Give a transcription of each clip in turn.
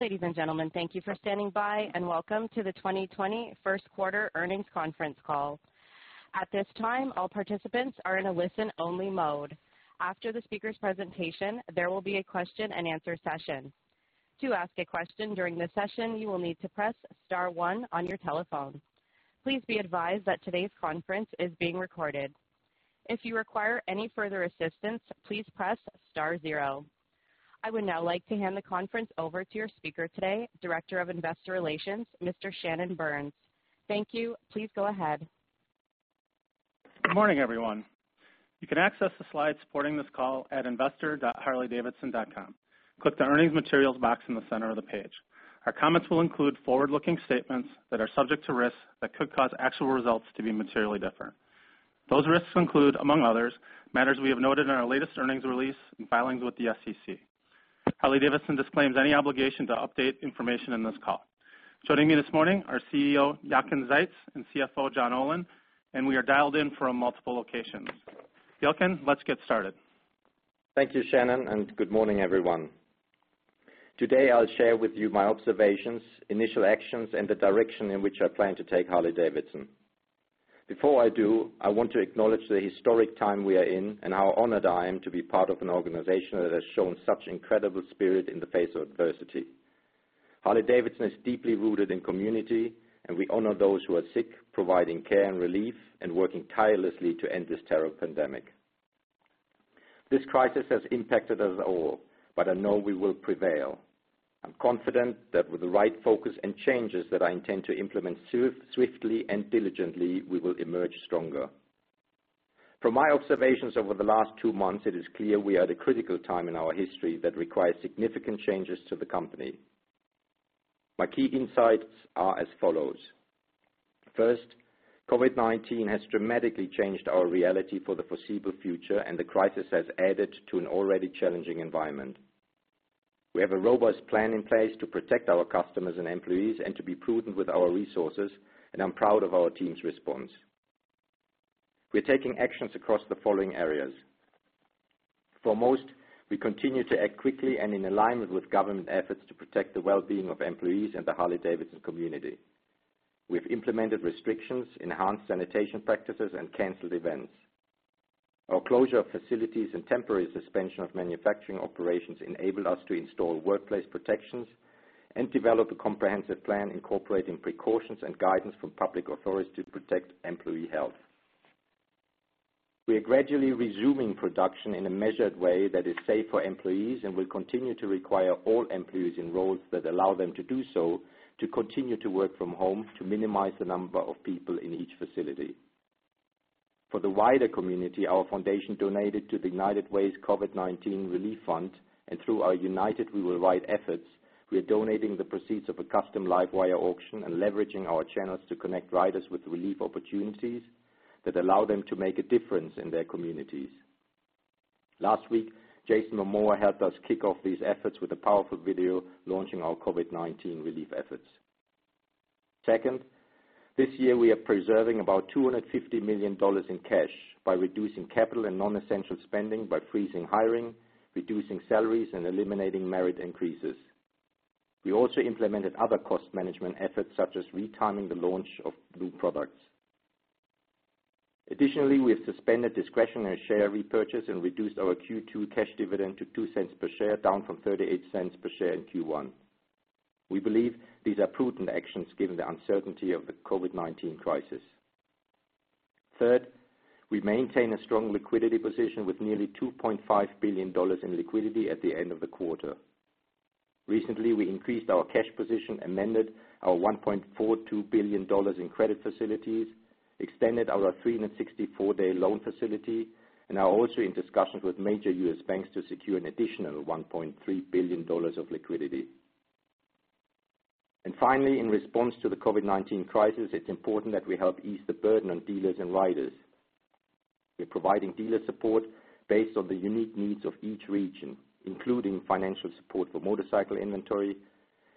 Ladies and gentlemen, thank you for standing by and welcome to the 2020 First Quarter Earnings Conference call. At this time, all participants are in a listen-only mode. After the speaker's presentation, there will be a question-and-answer session. To ask a question during this session, you will need to press star one on your telephone. Please be advised that today's conference is being recorded. If you require any further assistance, please press star zero. I would now like to hand the conference over to your speaker today, Director of Investor Relations, Mr. Shannon Burns. Thank you. Please go ahead. Good morning, everyone. You can access the slides supporting this call at investor.harley-davidson.com. Click the earnings materials box in the center of the page. Our comments will include forward-looking statements that are subject to risks that could cause actual results to be materially different. Those risks include, among others, matters we have noted in our latest earnings release and filings with the SEC. Harley-Davidson disclaims any obligation to update information in this call. Joining me this morning are CEO Jochen Zeitz and CFO John Olin, and we are dialed in from multiple locations. Jochen, let's get started. Thank you, Shannon, and good morning, everyone. Today, I'll share with you my observations, initial actions, and the direction in which I plan to take Harley-Davidson. Before I do, I want to acknowledge the historic time we are in and how honored I am to be part of an organization that has shown such incredible spirit in the face of adversity. Harley-Davidson is deeply rooted in community, and we honor those who are sick, providing care and relief, and working tirelessly to end this terrible pandemic. This crisis has impacted us all, but I know we will prevail. I'm confident that with the right focus and changes that I intend to implement swiftly and diligently, we will emerge stronger. From my observations over the last two months, it is clear we are at a critical time in our history that requires significant changes to the company. My key insights are as follows. First, COVID-19 has dramatically changed our reality for the foreseeable future, and the crisis has added to an already challenging environment. We have a robust plan in place to protect our customers and employees and to be prudent with our resources, and I'm proud of our team's response. We're taking actions across the following areas. Foremost, we continue to act quickly and in alignment with government efforts to protect the well-being of employees and the Harley-Davidson community. We've implemented restrictions, enhanced sanitation practices, and canceled events. Our closure of facilities and temporary suspension of manufacturing operations enabled us to install workplace protections and develop a comprehensive plan incorporating precautions and guidance from public authorities to protect employee health. We are gradually resuming production in a measured way that is safe for employees and will continue to require all employees in roles that allow them to do so to continue to work from home to minimize the number of people in each facility. For the wider community, our foundation donated to the United Way's COVID-19 Relief Fund, and through our United We Will Ride efforts, we are donating the proceeds of a custom LiveWire auction and leveraging our channels to connect riders with relief opportunities that allow them to make a difference in their communities. Last week, Jason Momoa helped us kick off these efforts with a powerful video launching our COVID-19 relief efforts. Second, this year, we are preserving about $250 million in cash by reducing capital and non-essential spending by freezing hiring, reducing salaries, and eliminating merit increases. We also implemented other cost management efforts such as retiming the launch of new products. Additionally, we have suspended discretionary share repurchase and reduced our Q2 cash dividend to $0.02 per share, down from $0.38 per share in Q1. We believe these are prudent actions given the uncertainty of the COVID-19 crisis. Third, we maintain a strong liquidity position with nearly $2.5 billion in liquidity at the end of the quarter. Recently, we increased our cash position, amended our $1.42 billion in credit facilities, extended our 364-day loan facility, and are also in discussions with major U.S. banks to secure an additional $1.3 billion of liquidity. And finally, in response to the COVID-19 crisis, it's important that we help ease the burden on dealers and riders. We're providing dealer support based on the unique needs of each region, including financial support for motorcycle inventory,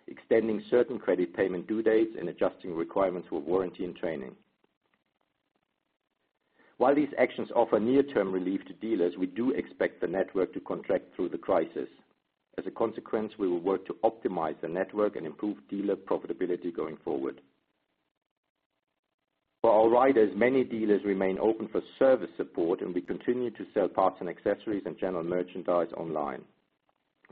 extending certain credit payment due dates, and adjusting requirements for warranty and training. While these actions offer near-term relief to dealers, we do expect the network to contract through the crisis. As a consequence, we will work to optimize the network and improve dealer profitability going forward. For our riders, many dealers remain open for service support, and we continue to sell parts and accessories and general merchandise online.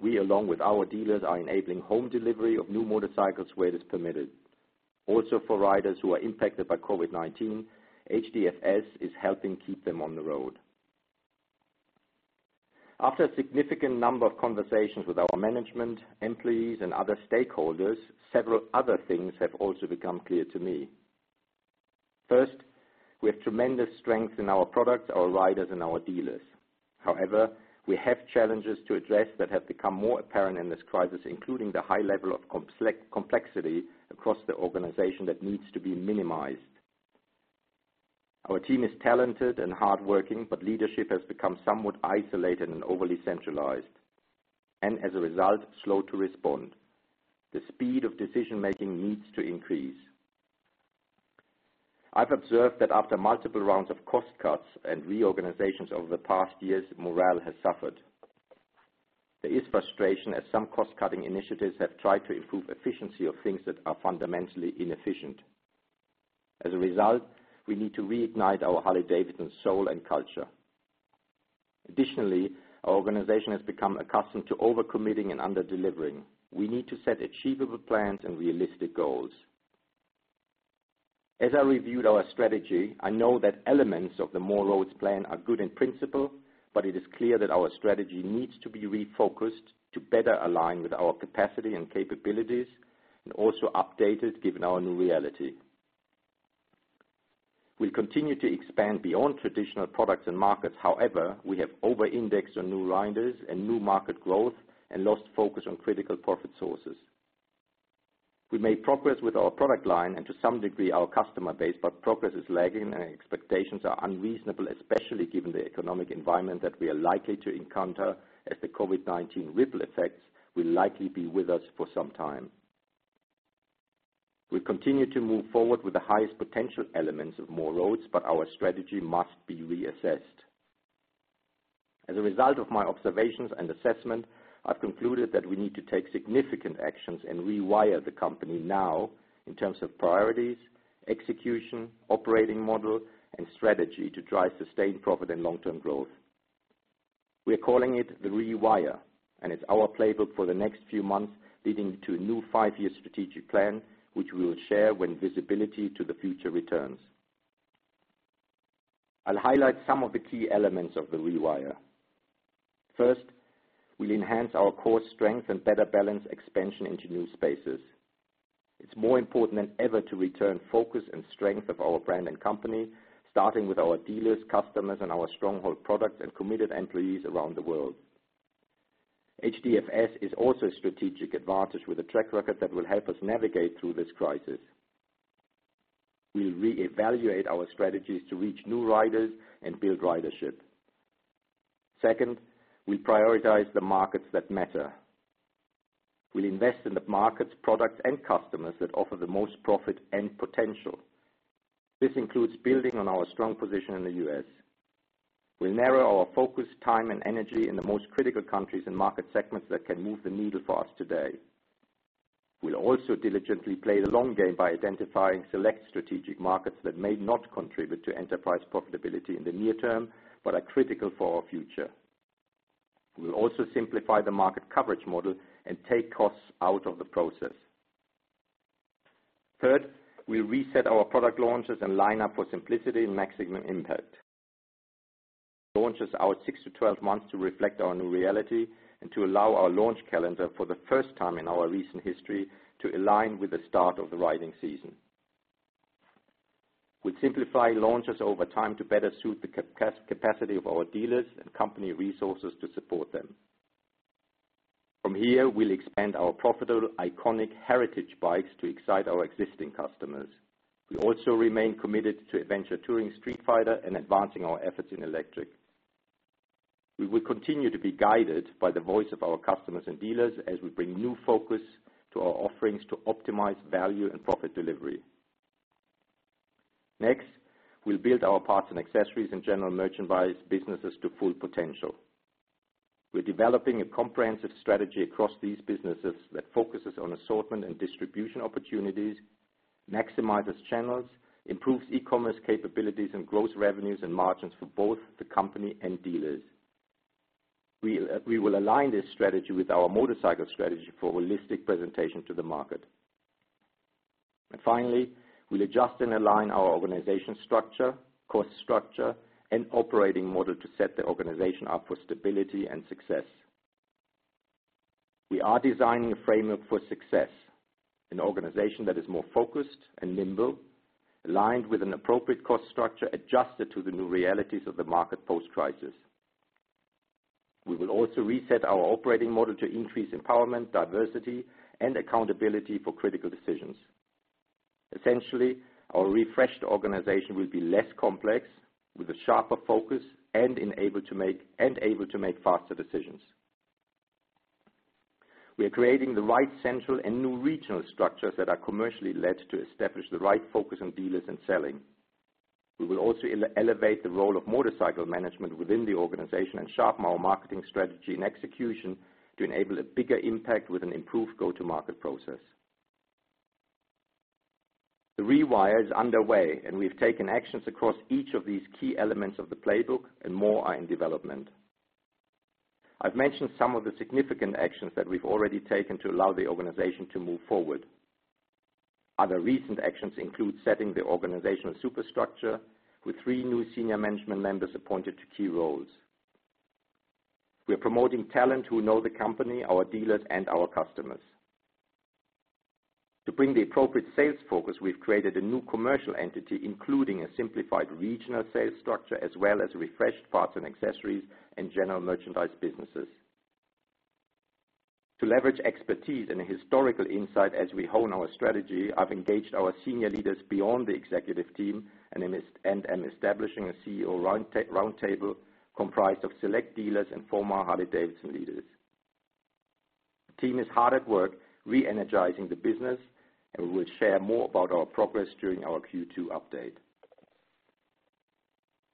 We, along with our dealers, are enabling home delivery of new motorcycles where it is permitted. Also, for riders who are impacted by COVID-19, HDFS is helping keep them on the road. After a significant number of conversations with our management, employees, and other stakeholders, several other things have also become clear to me. First, we have tremendous strength in our products, our riders, and our dealers. However, we have challenges to address that have become more apparent in this crisis, including the high level of complexity across the organization that needs to be minimized. Our team is talented and hardworking, but leadership has become somewhat isolated and overly centralized, and as a result, slow to respond. The speed of decision-making needs to increase. I've observed that after multiple rounds of cost cuts and reorganizations over the past years, morale has suffered. There is frustration as some cost-cutting initiatives have tried to improve efficiency of things that are fundamentally inefficient. As a result, we need to reignite our Harley-Davidson soul and culture. Additionally, our organization has become accustomed to overcommitting and under-delivering. We need to set achievable plans and realistic goals. As I reviewed our strategy, I know that elements of the More Roads plan are good in principle, but it is clear that our strategy needs to be refocused to better align with our capacity and capabilities, and also updated given our new reality. We'll continue to expand beyond traditional products and markets; however, we have over-indexed on new riders and new market growth and lost focus on critical profit sources. We made progress with our product line and, to some degree, our customer base, but progress is lagging and expectations are unreasonable, especially given the economic environment that we are likely to encounter as the COVID-19 ripple effects will likely be with us for some time. We continue to move forward with the highest potential elements of more roads, but our strategy must be reassessed. As a result of my observations and assessment, I've concluded that we need to take significant actions and rewire the company now in terms of priorities, execution, operating model, and strategy to drive sustained profit and long-term growth. We are calling it the Rewire, and it's our playbook for the next few months leading to a new five-year strategic plan, which we will share when visibility to the future returns. I'll highlight some of the key elements of the Rewire. First, we'll enhance our core strength and better balance expansion into new spaces. It's more important than ever to return focus and strength of our brand and company, starting with our dealers, customers, and our stronghold products and committed employees around the world. HDFS is also a strategic advantage with a track record that will help us navigate through this crisis. We'll reevaluate our strategies to reach new riders and build ridership. Second, we'll prioritize the markets that matter. We'll invest in the markets, products, and customers that offer the most profit and potential. This includes building on our strong position in the U.S. We'll narrow our focus, time, and energy in the most critical countries and market segments that can move the needle for us today. We'll also diligently play the long game by identifying select strategic markets that may not contribute to enterprise profitability in the near term but are critical for our future. We'll also simplify the market coverage model and take costs out of the process. Third, we'll reset our product launches and line up for simplicity and maximum impact. Launches are 6-12 months to reflect our new reality and to allow our launch calendar for the first time in our recent history to align with the start of the riding season. We'll simplify launches over time to better suit the capacity of our dealers and company resources to support them. From here, we'll expand our profitable iconic heritage bikes to excite our existing customers. We also remain committed to adventure touring, street fighter, and advancing our efforts in electric. We will continue to be guided by the voice of our customers and dealers as we bring new focus to our offerings to optimize value and profit delivery. Next, we'll build our parts and accessories and general merchandise businesses to full potential. We're developing a comprehensive strategy across these businesses that focuses on assortment and distribution opportunities, maximizes channels, improves e-commerce capabilities, and grows revenues and margins for both the company and dealers. We will align this strategy with our motorcycle strategy for holistic presentation to the market. And finally, we'll adjust and align our organization structure, cost structure, and operating model to set the organization up for stability and success. We are designing a framework for success, an organization that is more focused and nimble, aligned with an appropriate cost structure adjusted to the new realities of the market post-crisis. We will also reset our operating model to increase empowerment, diversity, and accountability for critical decisions. Essentially, our refreshed organization will be less complex, with a sharper focus and able to make faster decisions. We are creating the right central and new regional structures that are commercially led to establish the right focus on dealers and selling. We will also elevate the role of motorcycle management within the organization and sharpen our marketing strategy and execution to enable a bigger impact with an improved go-to-market process. The Rewire is underway, and we've taken actions across each of these key elements of the playbook, and more are in development. I've mentioned some of the significant actions that we've already taken to allow the organization to move forward. Other recent actions include setting the organizational superstructure with three new senior management members appointed to key roles. We're promoting talent who know the company, our dealers, and our customers. To bring the appropriate sales focus, we've created a new commercial entity, including a simplified regional sales structure as well as refreshed parts and accessories and general merchandise businesses. To leverage expertise and a historical insight as we hone our strategy, I've engaged our senior leaders beyond the executive team and am establishing a CEO roundtable comprised of select dealers and former Harley-Davidson leaders. The team is hard at work re-energizing the business, and we will share more about our progress during our Q2 update.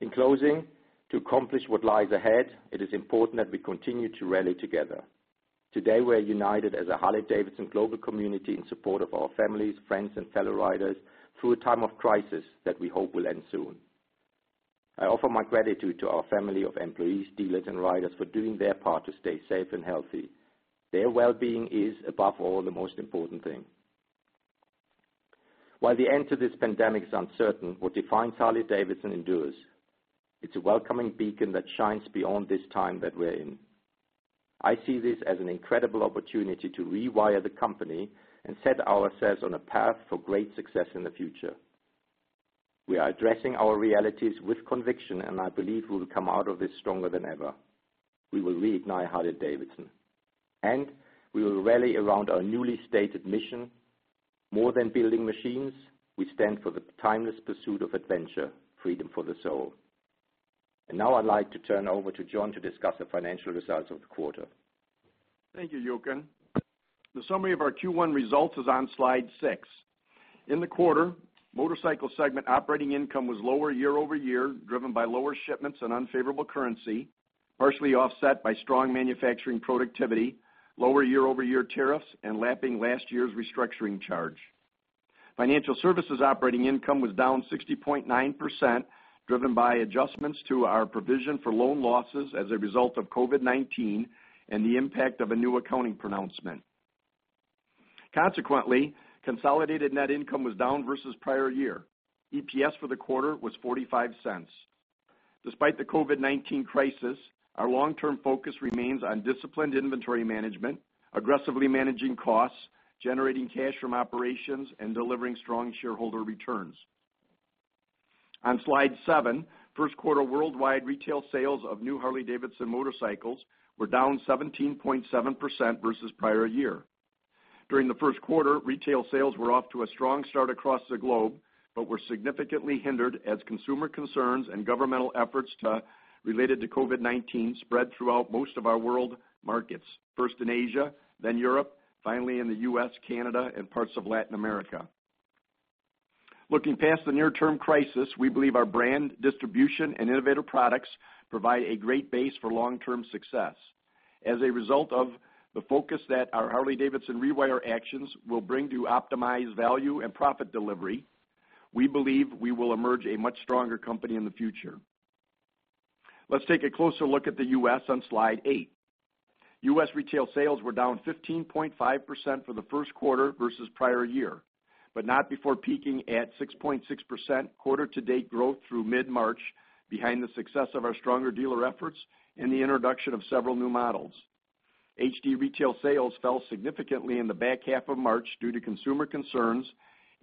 In closing, to accomplish what lies ahead, it is important that we continue to rally together. Today, we are united as a Harley-Davidson global community in support of our families, friends, and fellow riders through a time of crisis that we hope will end soon. I offer my gratitude to our family of employees, dealers, and riders for doing their part to stay safe and healthy. Their well-being is, above all, the most important thing. While the end to this pandemic is uncertain, what defines Harley-Davidson endures. It's a welcoming beacon that shines beyond this time that we're in. I see this as an incredible opportunity to rewire the company and set ourselves on a path for great success in the future. We are addressing our realities with conviction, and I believe we will come out of this stronger than ever. We will reignite Harley-Davidson, and we will rally around our newly stated mission. More than building machines, we stand for the timeless pursuit of adventure, freedom for the soul. And now I'd like to turn over to John to discuss the financial results of the quarter. Thank you, Jochen. The summary of our Q1 results is on slide six. In the quarter, motorcycle segment operating income was lower year over year, driven by lower shipments and unfavorable currency, partially offset by strong manufacturing productivity, lower year-over-year tariffs, and lapping last year's restructuring charge. Financial services operating income was down 60.9%, driven by adjustments to our provision for loan losses as a result of COVID-19 and the impact of a new accounting pronouncement. Consequently, consolidated net income was down versus prior year. EPS for the quarter was $0.45. Despite the COVID-19 crisis, our long-term focus remains on disciplined inventory management, aggressively managing costs, generating cash from operations, and delivering strong shareholder returns. On slide seven, first quarter worldwide retail sales of new Harley-Davidson motorcycles were down 17.7% versus prior year. During the first quarter, retail sales were off to a strong start across the globe but were significantly hindered as consumer concerns and governmental efforts related to COVID-19 spread throughout most of our world markets, first in Asia, then Europe, finally in the U.S., Canada, and parts of Latin America. Looking past the near-term crisis, we believe our brand, distribution, and innovative products provide a great base for long-term success. As a result of the focus that our Harley-Davidson Rewire actions will bring to optimize value and profit delivery, we believe we will emerge a much stronger company in the future. Let's take a closer look at the U.S. on slide eight. U.S. retail sales were down 15.5% for the first quarter versus prior year, but not before peaking at 6.6% quarter-to-date growth through mid-March, behind the success of our stronger dealer efforts and the introduction of several new models. HD retail sales fell significantly in the back half of March due to consumer concerns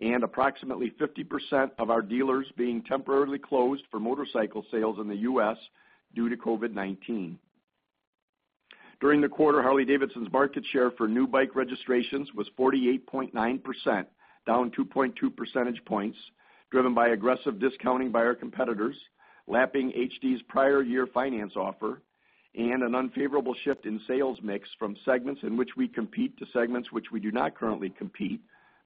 and approximately 50% of our dealers being temporarily closed for motorcycle sales in the U.S. due to COVID-19. During the quarter, Harley-Davidson's market share for new bike registrations was 48.9%, down 2.2 percentage points, driven by aggressive discounting by our competitors, lapping HD's prior year finance offer, and an unfavorable shift in sales mix from segments in which we compete to segments which we do not currently compete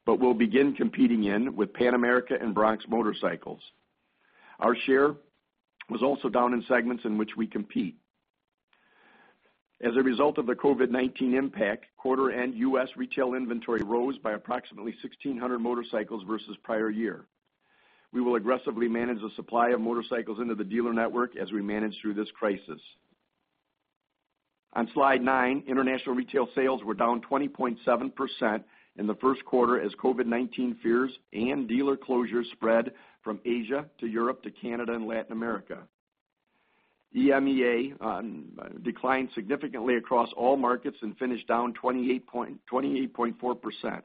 but will begin competing in with Pan America and Bronx motorcycles. Our share was also down in segments in which we compete. As a result of the COVID-19 impact, quarter-end U.S. retail inventory rose by approximately 1,600 motorcycles versus prior year. We will aggressively manage the supply of motorcycles into the dealer network as we manage through this crisis. On slide nine, international retail sales were down 20.7% in the first quarter as COVID-19 fears and dealer closures spread from Asia to Europe to Canada and Latin America. EMEA declined significantly across all markets and finished down 28.4%.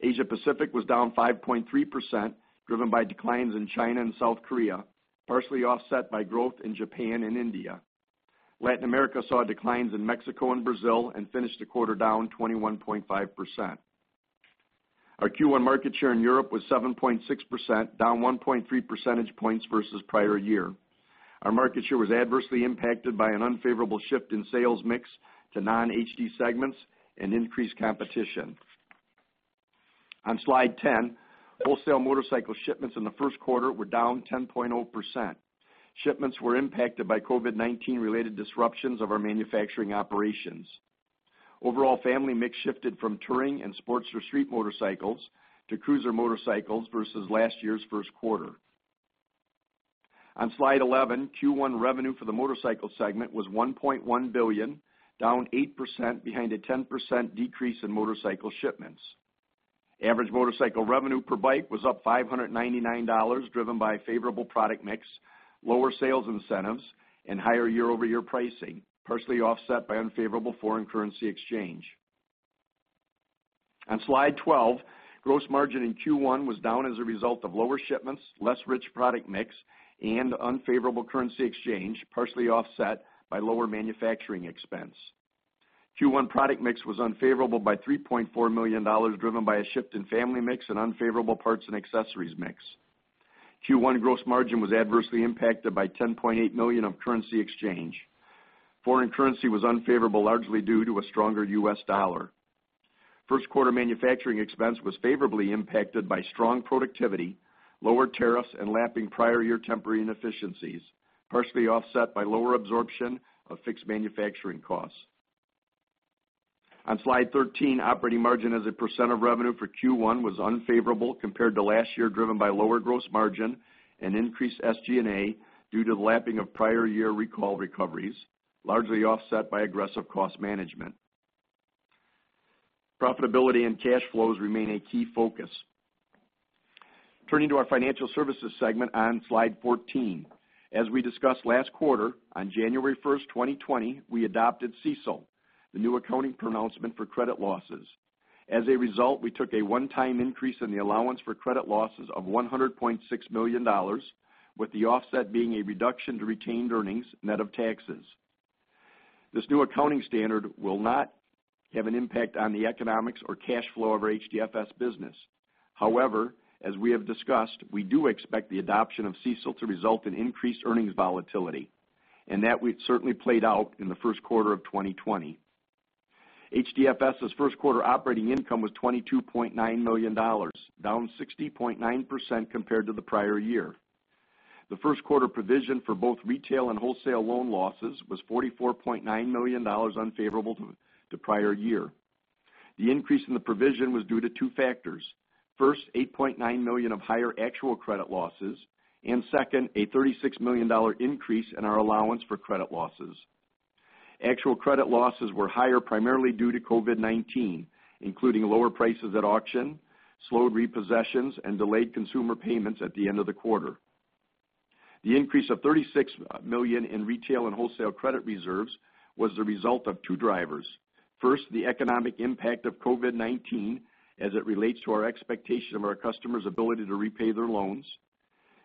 Asia-Pacific was down 5.3%, driven by declines in China and South Korea, partially offset by growth in Japan and India. Latin America saw declines in Mexico and Brazil and finished the quarter down 21.5%. Our Q1 market share in Europe was 7.6%, down 1.3 percentage points versus prior year. Our market share was adversely impacted by an unfavorable shift in sales mix to non-HD segments and increased competition. On slide ten, wholesale motorcycle shipments in the first quarter were down 10.0%. Shipments were impacted by COVID-19-related disruptions of our manufacturing operations. Overall, family mix shifted from touring and sports or street motorcycles to cruiser motorcycles versus last year's first quarter. On slide eleven, Q1 revenue for the motorcycle segment was $1.1 billion, down 8%, behind a 10% decrease in motorcycle shipments. Average motorcycle revenue per bike was up $599, driven by a favorable product mix, lower sales incentives, and higher year-over-year pricing, partially offset by unfavorable foreign currency exchange. On slide twelve, gross margin in Q1 was down as a result of lower shipments, less rich product mix, and unfavorable currency exchange, partially offset by lower manufacturing expense. Q1 product mix was unfavorable by $3.4 million, driven by a shift in family mix and unfavorable parts and accessories mix. Q1 gross margin was adversely impacted by $10.8 million of currency exchange. Foreign currency was unfavorable, largely due to a stronger U.S. dollar. First quarter manufacturing expense was favorably impacted by strong productivity, lower tariffs, and lapping prior year temporary inefficiencies, partially offset by lower absorption of fixed manufacturing costs. On slide thirteen, operating margin as a percent of revenue for Q1 was unfavorable compared to last year, driven by lower gross margin and increased SG&A due to the lapping of prior year recall recoveries, largely offset by aggressive cost management. Profitability and cash flows remain a key focus. Turning to our financial services segment on slide fourteen, as we discussed last quarter, on January 1st, 2020, we adopted CECL, the new accounting pronouncement for credit losses. As a result, we took a one-time increase in the allowance for credit losses of $100.6 million, with the offset being a reduction to retained earnings net of taxes. This new accounting standard will not have an impact on the economics or cash flow of our HDFS business. However, as we have discussed, we do expect the adoption of CECL to result in increased earnings volatility, and that certainly played out in the first quarter of 2020. HDFS's first quarter operating income was $22.9 million, down 60.9% compared to the prior year. The first quarter provision for both retail and wholesale loan losses was $44.9 million, unfavorable to prior year. The increase in the provision was due to two factors. First, $8.9 million of higher actual credit losses, and second, a $36 million increase in our allowance for credit losses. Actual credit losses were higher primarily due to COVID-19, including lower prices at auction, slowed repossessions, and delayed consumer payments at the end of the quarter. The increase of $36 million in retail and wholesale credit reserves was the result of two drivers. First, the economic impact of COVID-19 as it relates to our expectation of our customers' ability to repay their loans.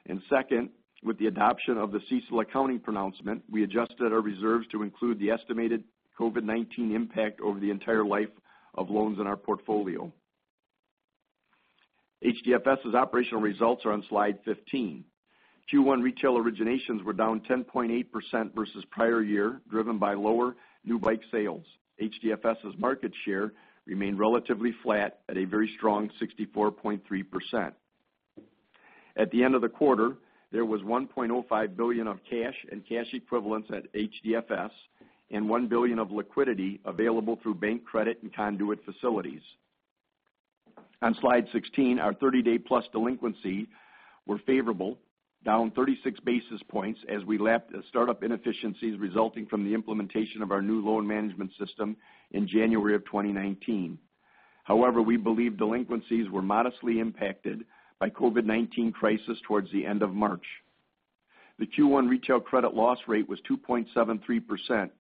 And second, with the adoption of the CESL accounting pronouncement, we adjusted our reserves to include the estimated COVID-19 impact over the entire life of loans in our portfolio. HDFS's operational results are on slide fifteen. Q1 retail originations were down 10.8% versus prior year, driven by lower new bike sales. HDFS's market share remained relatively flat at a very strong 64.3%. At the end of the quarter, there was $1.05 billion of cash and cash equivalents at HDFS and $1 billion of liquidity available through bank credit and conduit facilities. On slide sixteen, our 30-day+ delinquency were favorable, down 36 basis points as we lapped startup inefficiencies resulting from the implementation of our new loan management system in January of 2019. However, we believe delinquencies were modestly impacted by the COVID-19 crisis towards the end of March. The Q1 retail credit loss rate was 2.73%,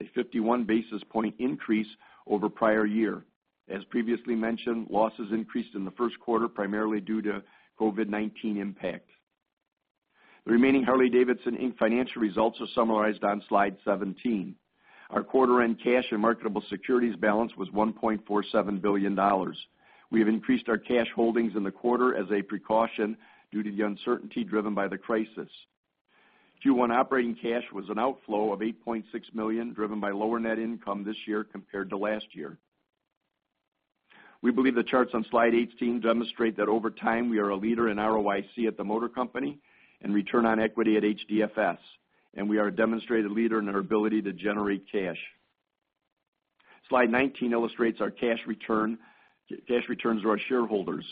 a 51 basis point increase over prior year. As previously mentioned, losses increased in the first quarter primarily due to COVID-19 impact. The remaining Harley-Davidson Inc. financial results are summarized on slide seventeen. Our quarter-end cash and marketable securities balance was $1.47 billion. We have increased our cash holdings in the quarter as a precaution due to the uncertainty driven by the crisis. Q1 operating cash was an outflow of $8.6 million, driven by lower net income this year compared to last year. We believe the charts on slide eighteen demonstrate that over time we are a leader in ROIC at the motor company and return on equity at HDFS, and we are a demonstrated leader in our ability to generate cash. Slide nineteen illustrates our cash returns to our shareholders.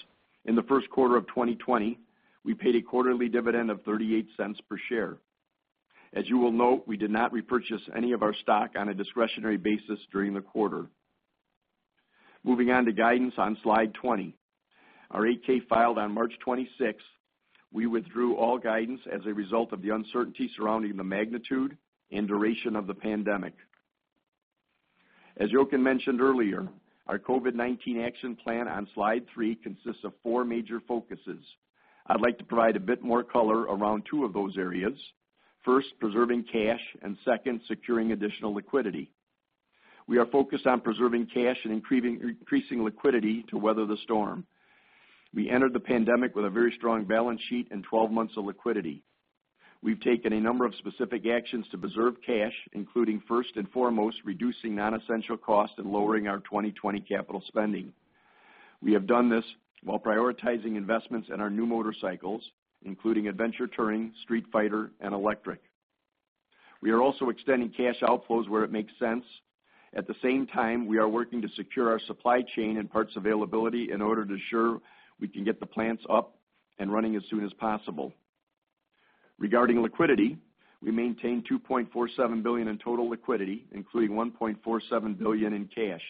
In the first quarter of 2020, we paid a quarterly dividend of $0.38 per share. As you will note, we did not repurchase any of our stock on a discretionary basis during the quarter. Moving on to guidance on slide twenty. Our 8-K filed on March 26th. We withdrew all guidance as a result of the uncertainty surrounding the magnitude and duration of the pandemic. As Jochen mentioned earlier, our COVID-19 action plan on slide three consists of four major focuses. I'd like to provide a bit more color around two of those areas. First, preserving cash, and second, securing additional liquidity. We are focused on preserving cash and increasing liquidity to weather the storm. We entered the pandemic with a very strong balance sheet and twelve months of liquidity. We've taken a number of specific actions to preserve cash, including first and foremost, reducing non-essential costs and lowering our 2020 capital spending. We have done this while prioritizing investments in our new motorcycles, including adventure touring, street fighter, and electric. We are also extending cash outflows where it makes sense. At the same time, we are working to secure our supply chain and parts availability in order to ensure we can get the plants up and running as soon as possible. Regarding liquidity, we maintain $2.47 billion in total liquidity, including $1.47 billion in cash.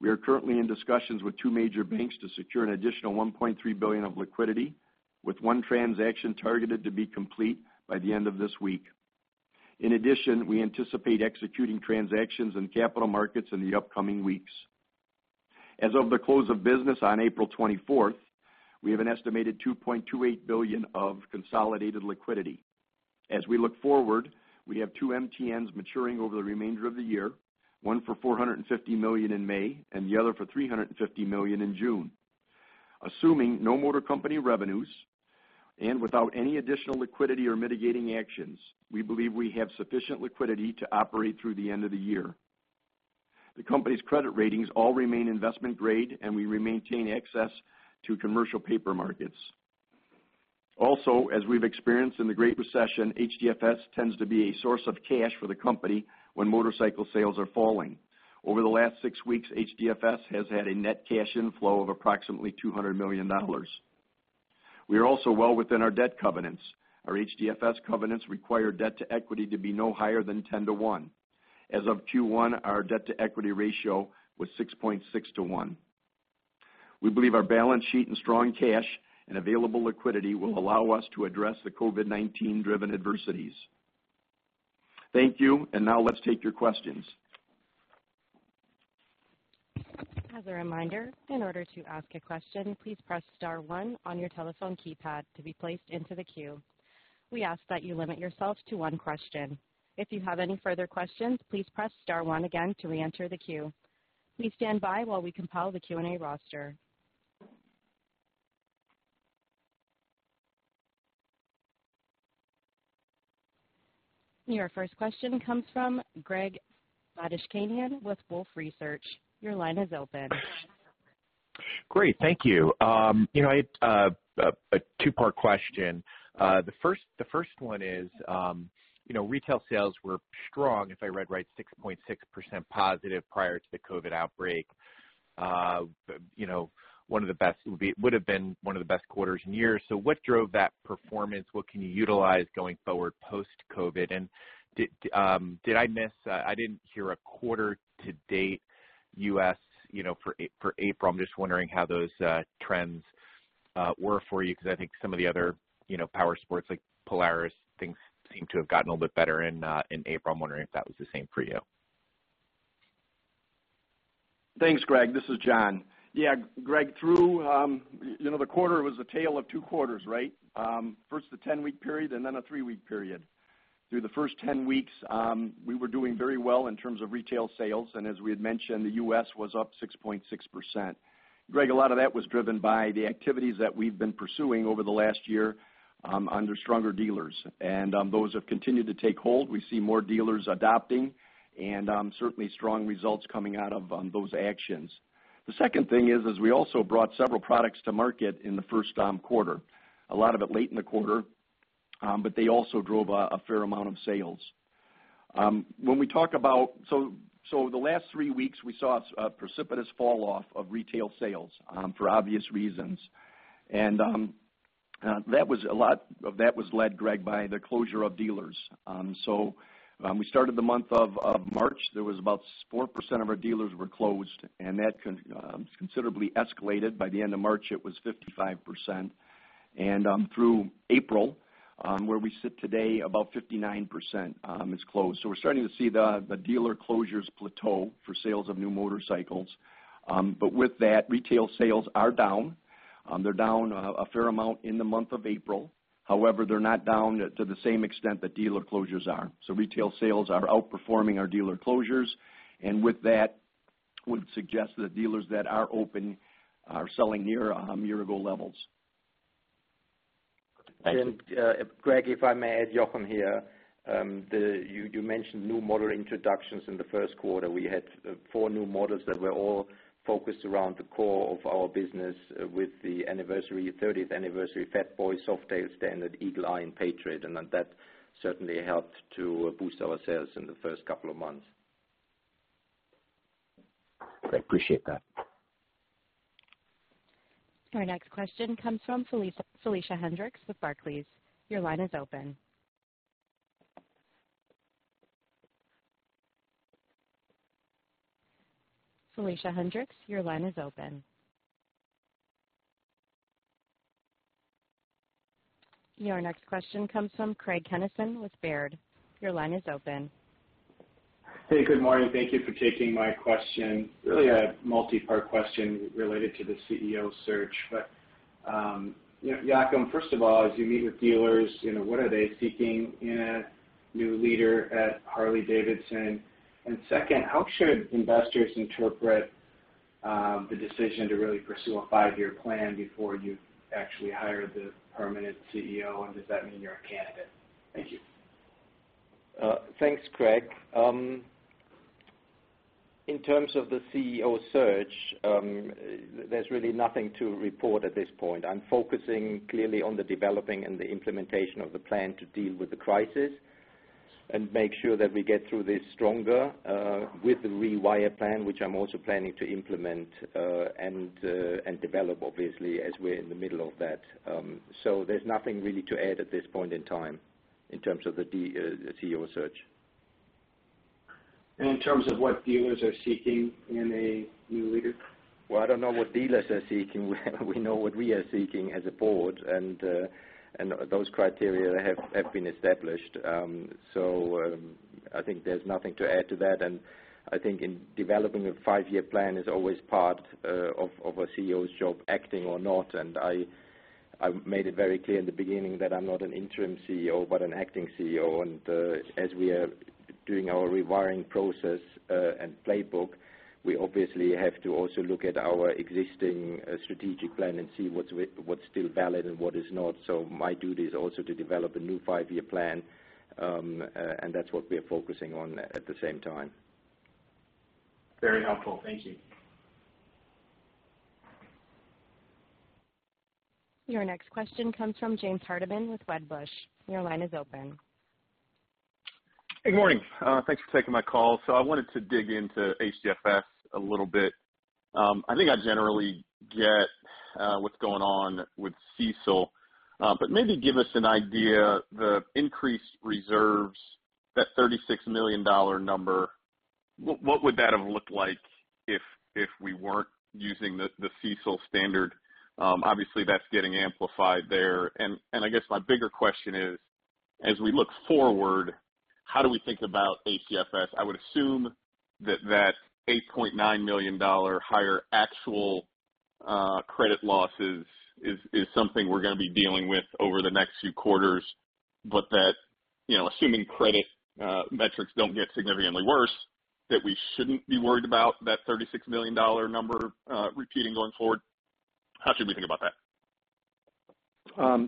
We are currently in discussions with two major banks to secure an additional $1.3 billion of liquidity, with one transaction targeted to be complete by the end of this week. In addition, we anticipate executing transactions in capital markets in the upcoming weeks. As of the close of business on April 24th, we have an estimated $2.28 billion of consolidated liquidity. As we look forward, we have two MTNs maturing over the remainder of the year, one for $450 million in May and the other for $350 million in June. Assuming no motor company revenues and without any additional liquidity or mitigating actions, we believe we have sufficient liquidity to operate through the end of the year. The company's credit ratings all remain investment grade, and we maintain access to commercial paper markets. Also, as we've experienced in the Great Recession, HDFS tends to be a source of cash for the company when motorcycle sales are falling. Over the last six weeks, HDFS has had a net cash inflow of approximately $200 million. We are also well within our debt covenants. Our HDFS covenants require debt to equity to be no higher than 10 to 1. As of Q1, our debt to equity ratio was 6.6 to 1. We believe our balance sheet and strong cash and available liquidity will allow us to address the COVID-19-driven adversities. Thank you, and now let's take your questions. As a reminder, in order to ask a question, please press star one on your telephone keypad to be placed into the queue. We ask that you limit yourself to one question. If you have any further questions, please press star one again to re-enter the queue. Please stand by while we compile the Q&A roster. Your first question comes from Greg Badishkanian with Wolfe Research. Your line is open. Great, thank you. You know, I had a two-part question. The first one is, you know, retail sales were strong, if I read right, 6.6% positive prior to the COVID outbreak. You know, one of the best would have been one of the best quarters in years. So what drove that performance? What can you utilize going forward post-COVID? And did I miss? I didn't hear a quarter-to-date U.S., you know, for April. I'm just wondering how those trends were for you, because I think some of the other power sports like Polaris, things seem to have gotten a little bit better in April. I'm wondering if that was the same for you. Thanks, Greg. This is John. Yeah, Greg, through, you know, the quarter was a tale of two quarters, right? First, the 10-week period, and then a 3-week period. Through the first 10 weeks, we were doing very well in terms of retail sales, and as we had mentioned, the U.S. was up 6.6%. Greg, a lot of that was driven by the activities that we've been pursuing over the last year under stronger dealers, and those have continued to take hold. We see more dealers adopting, and certainly strong results coming out of those actions. The second thing is, as we also brought several products to market in the first quarter, a lot of it late in the quarter, but they also drove a fair amount of sales. When we talk about, so the last three weeks, we saw a precipitous falloff of retail sales for obvious reasons, and that was a lot of that was led, Greg, by the closure of dealers. So we started the month of March. There was about 4% of our dealers were closed, and that considerably escalated. By the end of March, it was 55%. And through April, where we sit today, about 59% is closed. So we're starting to see the dealer closures plateau for sales of new motorcycles. But with that, retail sales are down. They're down a fair amount in the month of April. However, they're not down to the same extent that dealer closures are. So retail sales are outperforming our dealer closures, and with that, would suggest that dealers that are open are selling near a year-ago levels. And Greg, if I may add your comment here, you mentioned new model introductions in the first quarter. We had four new models that were all focused around the core of our business with the anniversary, 30th anniversary Fat Boy, Softail Standard, Eagle Eye, and Patriot, and that certainly helped to boost our sales in the first couple of months. I appreciate that. Our next question comes from Felicia Hendrix with Barclays. Your line is open. Felicia Hendrix, your line is open. Your next question comes from Craig Kennison with Baird. Your line is open. Hey, good morning. Thank you for taking my question. Really a multi-part question related to the CEO search. But, Jochen, first of all, as you meet with dealers, you know, what are they seeking in a new leader at Harley-Davidson? And second, how should investors interpret the decision to really pursue a five-year plan before you actually hire the permanent CEO? And does that mean you're a candidate? Thank you. Thanks, Greg. In terms of the CEO search, there's really nothing to report at this point. I'm focusing clearly on the developing and the implementation of the plan to deal with the crisis and make sure that we get through this stronger with the Rewire plan, which I'm also planning to implement and develop, obviously, as we're in the middle of that. So there's nothing really to add at this point in time in terms of the CEO search. And in terms of what dealers are seeking in a new leader? Well, I don't know what dealers are seeking. We know what we are seeking as a board, and those criteria have been established. So I think there's nothing to add to that. And I think in developing a five-year plan is always part of a CEO's job, acting or not. And I made it very clear in the beginning that I'm not an interim CEO, but an acting CEO. And as we are doing our rewiring process and playbook, we obviously have to also look at our existing strategic plan and see what's still valid and what is not. So my duty is also to develop a new five-year plan, and that's what we're focusing on at the same time. Very helpful. Thank you. Your next question comes from James Hardiman with Wedbush. Your line is open. Good morning. Thanks for taking my call. So I wanted to dig into HDFS a little bit. I think I generally get what's going on with CECL, but maybe give us an idea. The increased reserves, that $36 million number, what would that have looked like if we weren't using the CECL standard? Obviously, that's getting amplified there. And I guess my bigger question is, as we look forward, how do we think about HDFS? I would assume that that $8.9 million higher actual credit losses is something we're going to be dealing with over the next few quarters, but that, you know, assuming credit metrics don't get significantly worse, that we shouldn't be worried about that $36 million number repeating going forward. How should we think about that?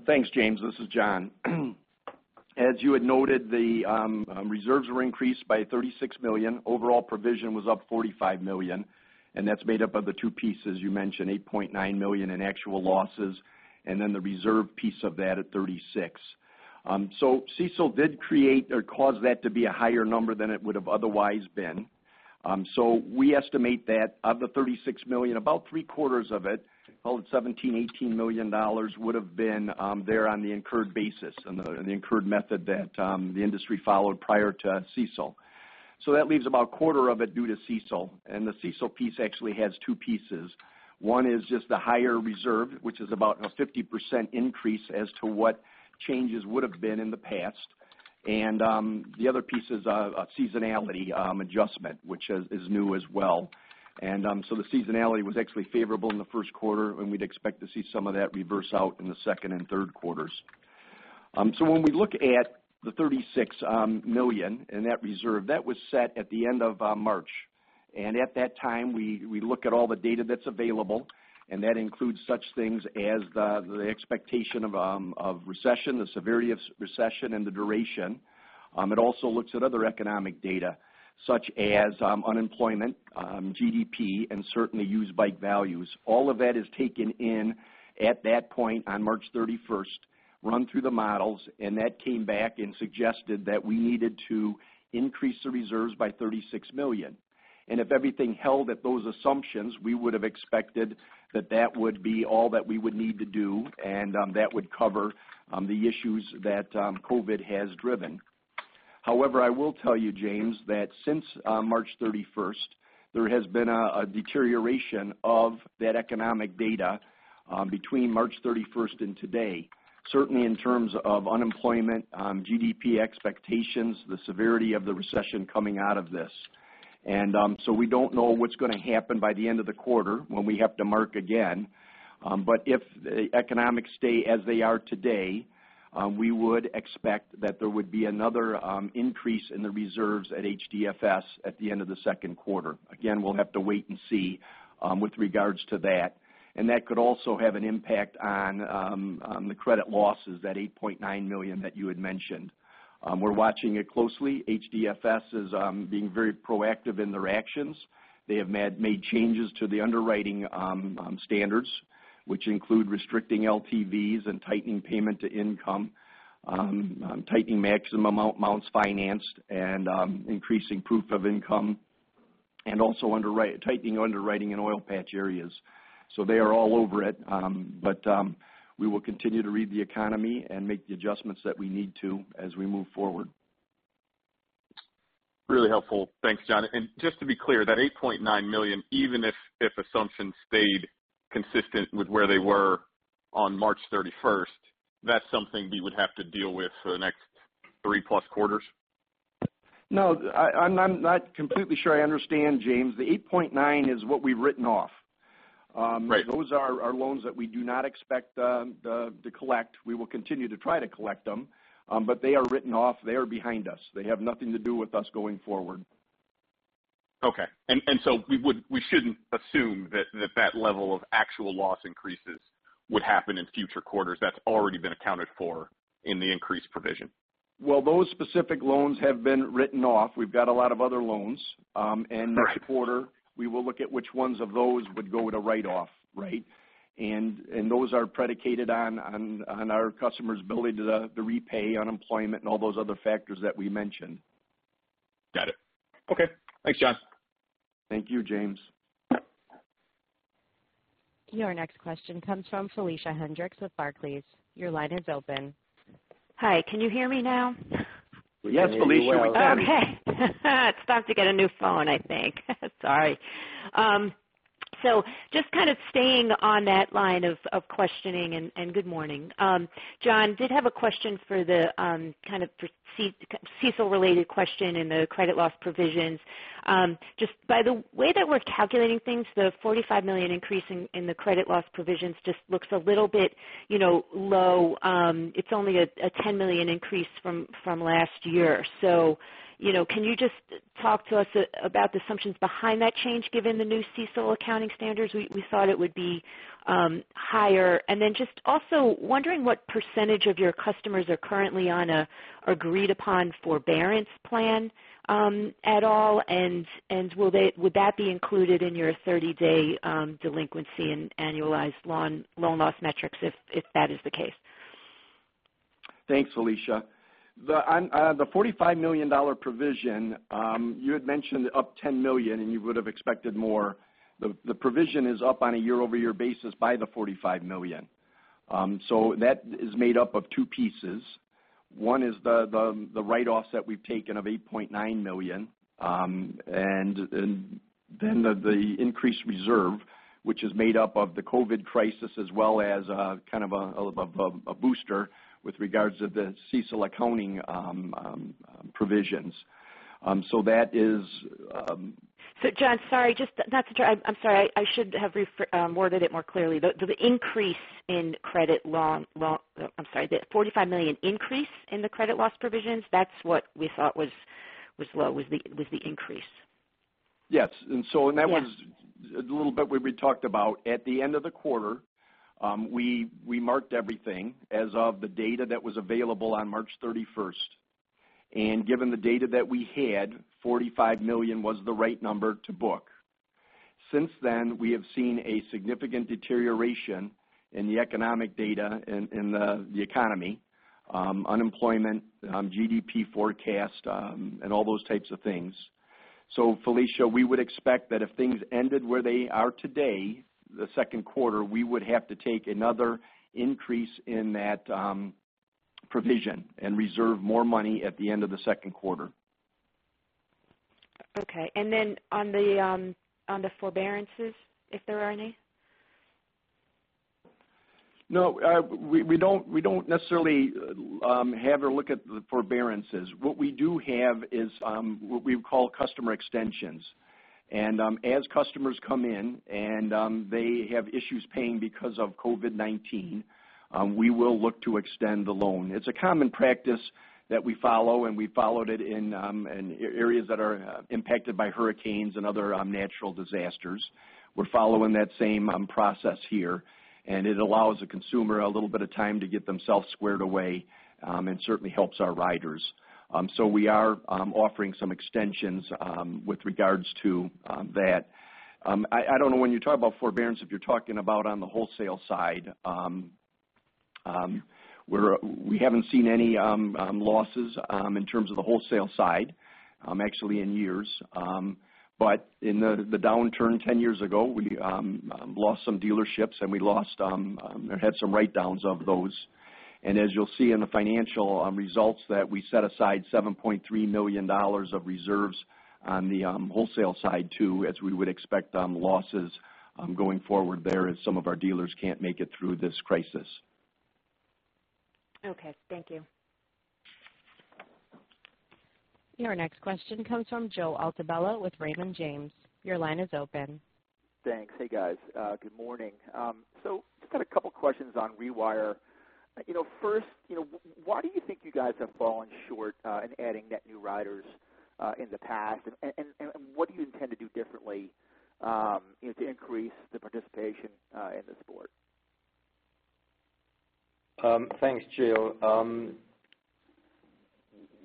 Thanks, James. This is John. As you had noted, the reserves were increased by $36 million. Overall provision was up $45 million, and that's made up of the two pieces you mentioned, $8.9 million in actual losses and then the reserve piece of that at $36 million. So CECL did create or cause that to be a higher number than it would have otherwise been. So we estimate that of the $36 million, about three-quarters of it, call it $17, $18 million, would have been there on the incurred basis and the incurred method that the industry followed prior to CECL. So that leaves about a quarter of it due to CECL. And the CECL piece actually has two pieces. One is just the higher reserve, which is about a 50% increase as to what changes would have been in the past. And the other piece is a seasonality adjustment, which is new as well. And so the seasonality was actually favorable in the first quarter, and we'd expect to see some of that reverse out in the second and third quarters. So when we look at the $36 million and that reserve, that was set at the end of March. And at that time, we look at all the data that's available, and that includes such things as the expectation of recession, the severity of recession, and the duration. It also looks at other economic data such as unemployment, GDP, and certainly used bike values. All of that is taken in at that point on March 31st, run through the models, and that came back and suggested that we needed to increase the reserves by $36 million. And if everything held at those assumptions, we would have expected that that would be all that we would need to do, and that would cover the issues that COVID has driven. However, I will tell you, James, that since March 31st, there has been a deterioration of that economic data between March 31st and today, certainly in terms of unemployment, GDP expectations, the severity of the recession coming out of this. And so we don't know what's going to happen by the end of the quarter when we have to mark again. But if the economics stay as they are today, we would expect that there would be another increase in the reserves at HDFS at the end of the second quarter. Again, we'll have to wait and see with regards to that. And that could also have an impact on the credit losses that $8.9 million that you had mentioned. We're watching it closely. HDFS is being very proactive in their actions. They have made changes to the underwriting standards, which include restricting LTVs and tightening payment to income, tightening maximum amounts financed, and increasing proof of income, and also tightening underwriting in oil patch areas. So they are all over it, but we will continue to read the economy and make the adjustments that we need to as we move forward. Really helpful. Thanks, John. And just to be clear, that $8.9 million, even if assumptions stayed consistent with where they were on March 31st, that's something we would have to deal with for the next 3+ quarters? No, I'm not completely sure. I understand, James. The $8.9 million is what we've written off. Those are loans that we do not expect to collect. We will continue to try to collect them, but they are written off. They are behind us. They have nothing to do with us going forward. Okay. And so we shouldn't assume that that level of actual loss increases would happen in future quarters. That's already been accounted for in the increased provision. Well, those specific loans have been written off. We've got a lot of other loans. And next quarter, we will look at which ones of those would go to write off, right? And those are predicated on our customer's ability to repay unemployment and all those other factors that we mentioned. Got it. Okay. Thanks, John. Thank you, James. Your next question comes from Felicia Hendrix with Barclays. Your line is open. Hi. Can you hear me now? Yes, Felicia. We can. Okay. It's time to get a new phone, I think. Sorry. So just kind of staying on that line of questioning, and good morning. John, did have a question for the kind of CECL-related question in the credit loss provisions. Just by the way that we're calculating things, the $45 million increase in the credit loss provisions just looks a little bit, you know, low. It's only a $10 million increase from last year. So, you know, can you just talk to us about the assumptions behind that change, given the new CECL accounting standards? We thought it would be higher. And then just also wondering what percentage of your customers are currently on an agreed-upon forbearance plan at all, and would that be included in your 30-day delinquency and annualized loan loss metrics if that is the case? Thanks, Felicia. The $45 million provision, you had mentioned up $10 million, and you would have expected more. The provision is up on a year-over-year basis by the $45 million. So that is made up of two pieces. One is the write-offs that we've taken of $8.9 million, and then the increased reserve, which is made up of the COVID crisis as well as kind of a booster with regards to the CECL accounting provisions. So that is. So, John, sorry, just not to try, I'm sorry, I should have worded it more clearly. The increase in credit loan, I'm sorry, the $45 million increase in the credit loss provisions, that's what we thought was low, was the increase. Yes. And so that was a little bit what we talked about. At the end of the quarter, we marked everything as of the data that was available on March 31st. And given the data that we had, $45 million was the right number to book. Since then, we have seen a significant deterioration in the economic data in the economy, unemployment, GDP forecast, and all those types of things. So, Felicia, we would expect that if things ended where they are today, the second quarter, we would have to take another increase in that provision and reserve more money at the end of the second quarter. Okay. And then on the forbearances, if there are any? No, we don't necessarily have or look at the forbearances. What we do have is what we call customer extensions. And as customers come in and they have issues paying because of COVID-19, we will look to extend the loan. It's a common practice that we follow, and we followed it in areas that are impacted by hurricanes and other natural disasters. We're following that same process here, and it allows a consumer a little bit of time to get themselves squared away and certainly helps our riders. So we are offering some extensions with regards to that. I don't know when you talk about forbearance, if you're talking about on the wholesale side. We haven't seen any losses in terms of the wholesale side, actually in years. But in the downturn 10 years ago, we lost some dealerships, and we lost, had some write-downs of those. And as you'll see in the financial results, that we set aside $7.3 million of reserves on the wholesale side too, as we would expect losses going forward there as some of our dealers can't make it through this crisis. Okay. Thank you. Your next question comes from Joe Altobello with Raymond James. Your line is open. Thanks. Hey, guys. Good morning. So just got a couple of questions on Rewire. You know, first, you know, why do you think you guys have fallen short in adding net new riders in the past, and what do you intend to do differently to increase the participation in the sport? Thanks, Joe.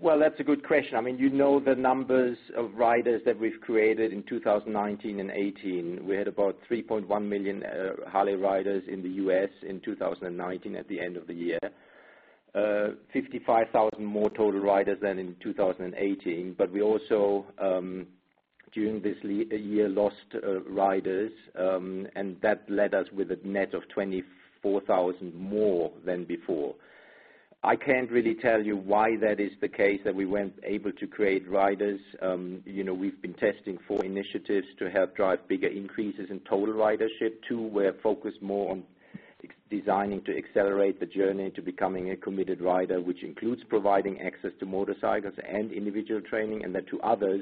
Well, that's a good question. I mean, you know the numbers of riders that we've created in 2019 and 2018. We had about 3.1 million Harley riders in the U.S. in 2019 at the end of the year, 55,000 more total riders than in 2018. But we also, during this year, lost riders, and that led us with a net of 24,000 more than before. I can't really tell you why that is the case that we weren't able to create riders. You know, we've been testing four initiatives to help drive bigger increases in total ridership too. We're focused more on designing to accelerate the journey to becoming a committed rider, which includes providing access to motorcycles and individual training and then to others.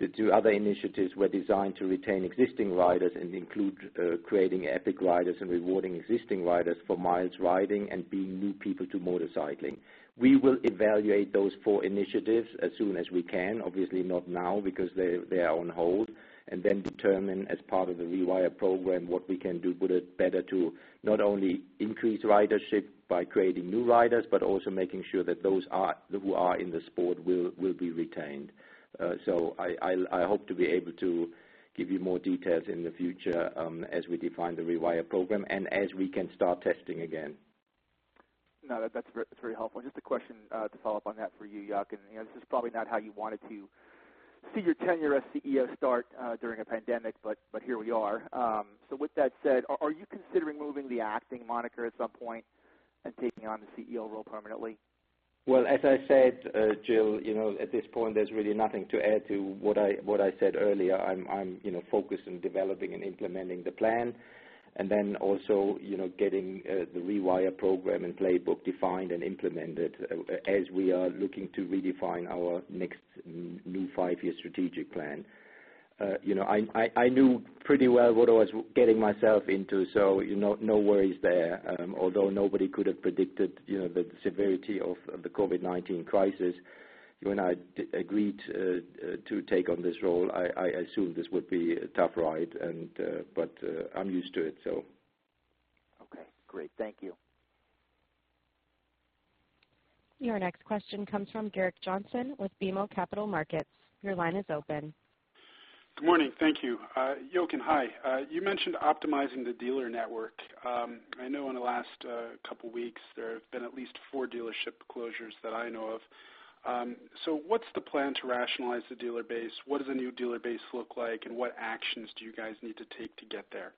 The two other initiatives were designed to retain existing riders and include creating epic riders and rewarding existing riders for miles riding and being new people to motorcycling. We will evaluate those four initiatives as soon as we can, obviously not now because they are on hold, and then determine as part of the Rewire program what we can do better to not only increase ridership by creating new riders, but also making sure that those who are in the sport will be retained. So I hope to be able to give you more details in the future as we define the Rewire program and as we can start testing again. No, that's very helpful. Just a question to follow up on that for you, Jochen. This is probably not how you wanted to see your tenure as CEO start during a pandemic, but here we are. So with that said, are you considering moving the acting moniker at some point and taking on the CEO role permanently? Well, as I said, Jill, you know, at this point, there's really nothing to add to what I said earlier. I'm focused on developing and implementing the plan and then also, you know, getting the Rewire program and playbook defined and implemented as we are looking to redefine our next new five-year strategic plan. You know, I knew pretty well what I was getting myself into, so no worries there. Although nobody could have predicted the severity of the COVID-19 crisis, you and I agreed to take on this role. I assume this would be a tough ride, but I'm used to it, so. Okay. Great. Thank you. Your next question comes from Gerrick Johnson with BMO Capital Markets. Your line is open. Good morning. Thank you. Jochen, hi. You mentioned optimizing the dealer network. I know in the last couple of weeks, there have been at least four dealership closures that I know of. So what's the plan to rationalize the dealer base? What does a new dealer base look like, and what actions do you guys need to take to get there?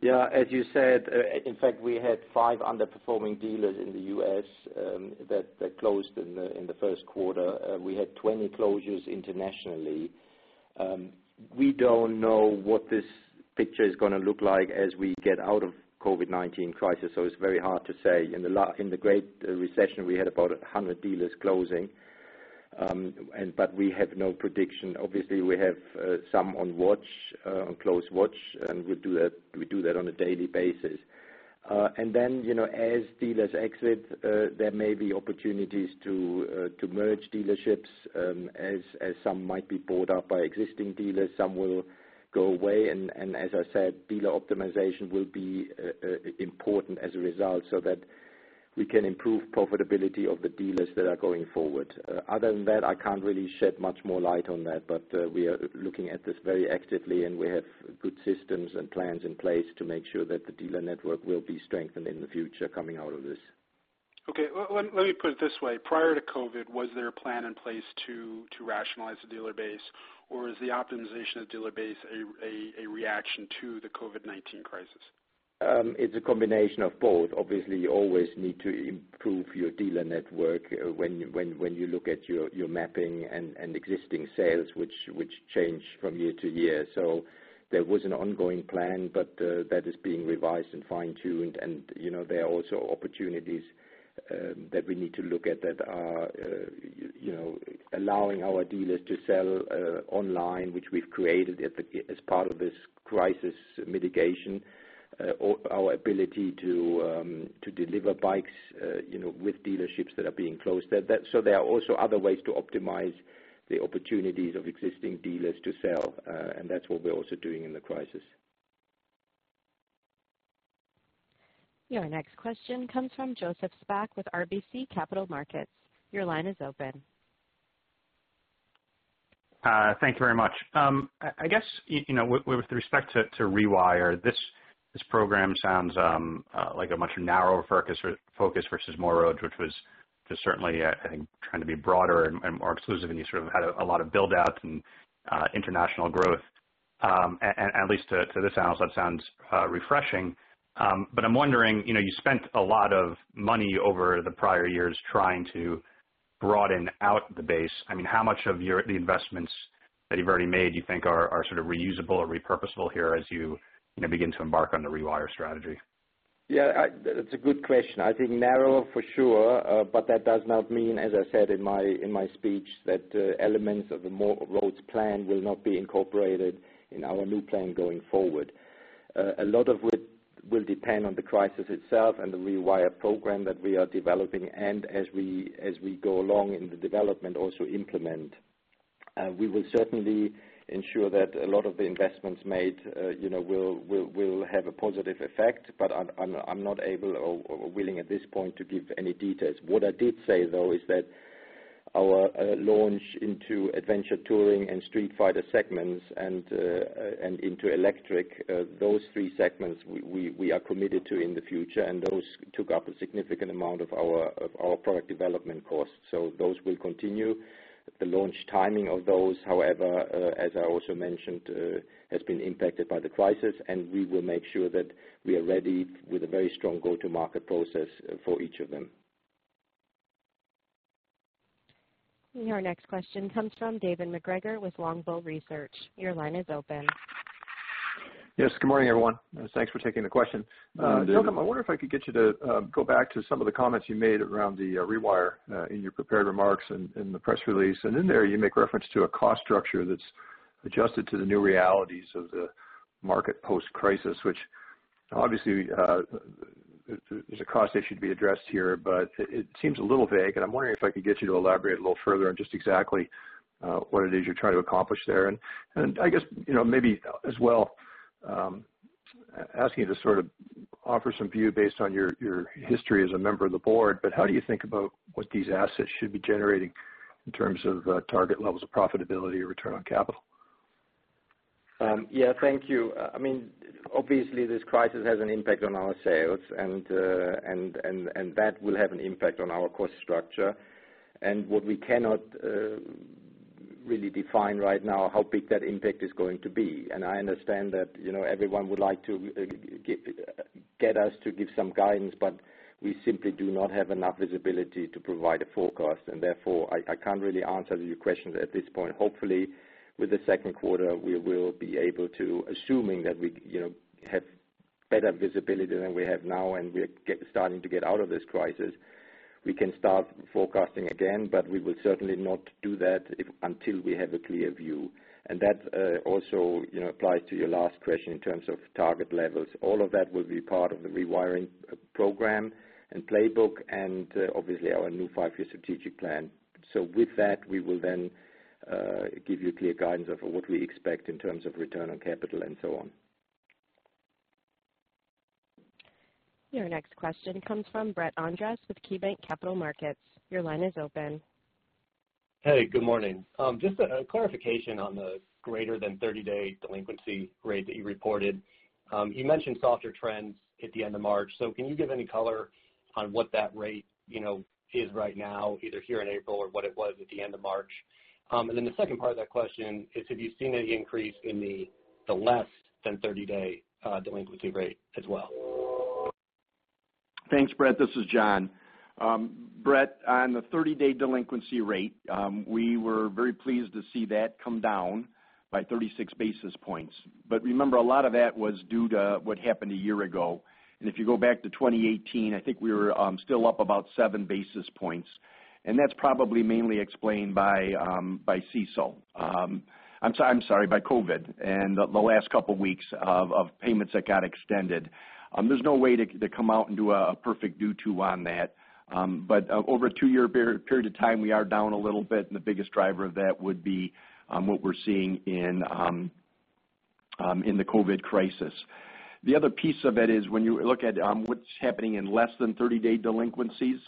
Yeah. As you said, in fact, we had five underperforming dealers in the U.S. that closed in the first quarter. We had 20 closures internationally. We don't know what this picture is going to look like as we get out of the COVID-19 crisis, so it's very hard to say. In the great recession, we had about 100 dealers closing, but we have no prediction. Obviously, we have some on watch, on close watch, and we do that on a daily basis. And then, you know, as dealers exit, there may be opportunities to merge dealerships as some might be bought up by existing dealers. Some will go away. And as I said, dealer optimization will be important as a result so that we can improve profitability of the dealers that are going forward. Other than that, I can't really shed much more light on that, but we are looking at this very actively, and we have good systems and plans in place to make sure that the dealer network will be strengthened in the future coming out of this. Okay. Let me put it this way. Prior to COVID, was there a plan in place to rationalize the dealer base, or is the optimization of the dealer base a reaction to the COVID-19 crisis? It's a combination of both. Obviously, you always need to improve your dealer network when you look at your mapping and existing sales, which change from year to year. So there was an ongoing plan, but that is being revised and fine-tuned. You know, there are also opportunities that we need to look at that are, you know, allowing our dealers to sell online, which we've created as part of this crisis mitigation, our ability to deliver bikes, you know, with dealerships that are being closed. So there are also other ways to optimize the opportunities of existing dealers to sell, and that's what we're also doing in the crisis. Your next question comes from Joseph Spak with RBC Capital Markets. Your line is open. Thank you very much. I guess, you know, with respect to Rewire, this program sounds like a much narrower focus versus more roads, which was certainly, I think, trying to be broader and more exclusive and you sort of had a lot of build-outs and international growth. And at least to this analyst, that sounds refreshing. But I'm wondering, you know, you spent a lot of money over the prior years trying to broaden out the base. I mean, how much of the investments that you've already made do you think are sort of reusable or repurposable here as you begin to embark on the Rewire strategy? Yeah, that's a good question. I think narrower for sure, but that does not mean, as I said in my speech, that elements of the more roads plan will not be incorporated in our new plan going forward. A lot of it will depend on the crisis itself and the Rewire program that we are developing and as we go along in the development also implement. We will certainly ensure that a lot of the investments made, you know, will have a positive effect, but I'm not able or willing at this point to give any details. What I did say, though, is that our launch into adventure touring and street fighter segments and into electric, those three segments we are committed to in the future, and those took up a significant amount of our product development cost. So those will continue. The launch timing of those, however, as I also mentioned, has been impacted by the crisis, and we will make sure that we are ready with a very strong go-to-market process for each of them. Your next question comes from David MacGregor with Longbow Research. Your line is open. Yes. Good morning, everyone. Thanks for taking the question. Good morning, Jochen. Jochen, I wonder if I could get you to go back to some of the comments you made around the Rewire in your prepared remarks and the press release. And in there, you make reference to a cost structure that's adjusted to the new realities of the market post-crisis, which obviously is a cost issue to be addressed here, but it seems a little vague. And I'm wondering if I could get you to elaborate a little further on just exactly what it is you're trying to accomplish there. And I guess, you know, maybe as well, asking you to sort of offer some view based on your history as a member of the board, but how do you think about what these assets should be generating in terms of target levels of profitability or return on capital? Yeah, thank you. I mean, obviously, this crisis has an impact on our sales, and that will have an impact on our cost structure. And what we cannot really define right now how big that impact is going to be. And I understand that, you know, everyone would like to get us to give some guidance, but we simply do not have enough visibility to provide a forecast. And therefore, I can't really answer your questions at this point. Hopefully, with the second quarter, we will be able to, assuming that we, you know, have better visibility than we have now and we're starting to get out of this crisis, we can start forecasting again, but we will certainly not do that until we have a clear view. And that also, you know, applies to your last question in terms of target levels. All of that will be part of the rewiring program and playbook and obviously our new five-year strategic plan. So with that, we will then give you clear guidance of what we expect in terms of return on capital and so on. Your next question comes from Brett Andres with KeyBank Capital Markets. Your line is open. Hey, good morning. Just a clarification on the greater than 30-day delinquency rate that you reported. You mentioned softer trends at the end of March, so can you give any color on what that rate, you know, is right now, either here in April or what it was at the end of March? And then the second part of that question is, have you seen any increase in the less than 30-day delinquency rate as well? Thanks, Brett. This is John. Brett, on the 30-day delinquency rate, we were very pleased to see that come down by 36 basis points. But remember, a lot of that was due to what happened a year ago. And if you go back to 2018, I think we were still up about 7 basis points. And that's probably mainly explained by CECL. I'm sorry, by COVID and the last couple of weeks of payments that got extended. There's no way to come out and do a perfect do-to on that. But over a two-year period of time, we are down a little bit, and the biggest driver of that would be what we're seeing in the COVID crisis. The other piece of it is when you look at what's happening in less than 30-day delinquencies,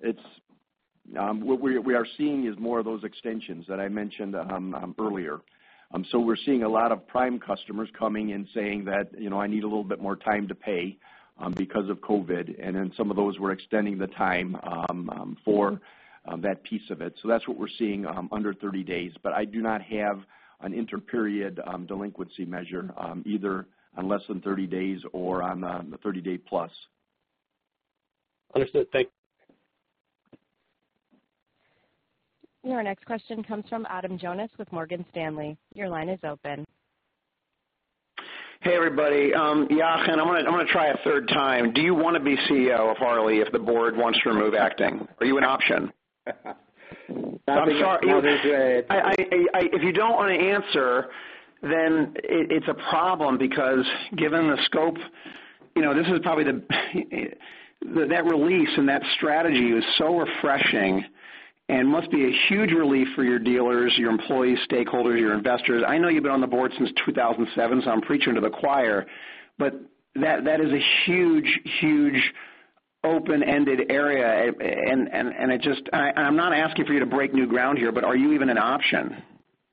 it's what we are seeing is more of those extensions that I mentioned earlier. So we're seeing a lot of prime customers coming and saying that, you know, I need a little bit more time to pay because of COVID. And then some of those were extending the time for that piece of it. So that's what we're seeing under 30 days. But I do not have an inter-period delinquency measure either on less than 30 days or on the 30-day+. Understood. Thank you. Your next question comes from Adam Jonas with Morgan Stanley. Your line is open. Hey, everybody. Jochen, I'm going to try a third time. Do you want to be CEO of Harley if the board wants to remove acting? Are you an option? I'm sorry. If you don't want to answer, then it's a problem because given the scope. You know, this is probably the that release and that strategy was so refreshing and must be a huge relief for your dealers, your employees, stakeholders, your investors. I know you've been on the board since 2007, so I'm preaching to the choir, but that is a huge, huge open-ended area. And I just, I'm not asking for you to break new ground here, but are you even an option?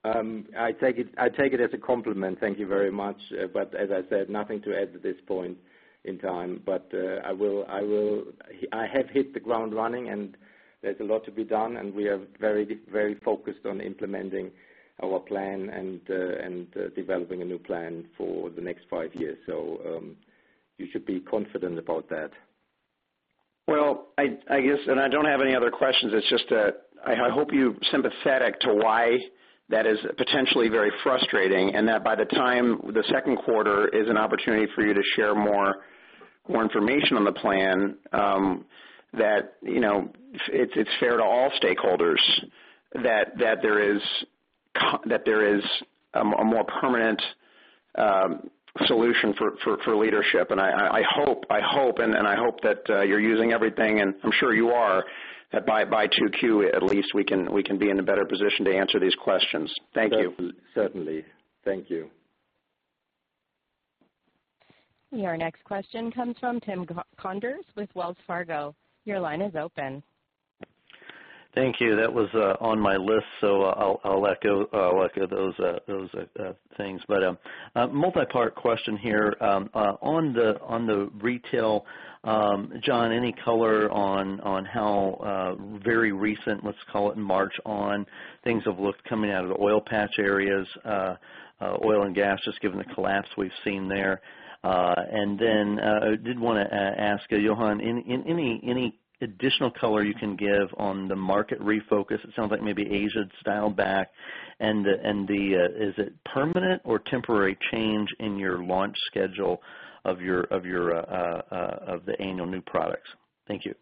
I take it as a compliment. Thank you very much. But as I said, nothing to add at this point in time. But I will, I have hit the ground running, and there's a lot to be done. And we are very, very focused on implementing our plan and developing a new plan for the next five years. So you should be confident about that. Well, I guess, and I don't have any other questions. It's just that I hope you're sympathetic to why that is potentially very frustrating and that by the time the second quarter is an opportunity for you to share more information on the plan, that, you know, it's fair to all stakeholders that there is a more permanent solution for leadership. And I hope, I hope, and I hope that you're using everything, and I'm sure you are, that by 2Q at least we can be in a better position to answer these questions. Thank you. Certainly. Thank you. Your next question comes from Tim Conder with Wells Fargo. Your line is open. Thank you. That was on my list, so I'll echo those things. But a multi-part question here on the retail. John, any color on how very recent, let's call it March on, things have looked coming out of the oil patch areas, oil and gas, just given the collapse we've seen there? And then I did want to ask, Jochen, any additional color you can give on the market refocus? It sounds like maybe Asia style back. And is it permanent or temporary change in your launch schedule of the annual new products? Thank you.